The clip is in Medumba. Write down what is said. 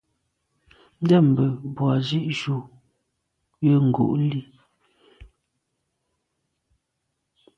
Ndɛ̂mbə̄ bū à’ zí’jú jə̂ ngū’ lî.